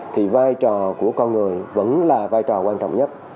thì vai trò của con người vẫn là vai trò quan trọng nhất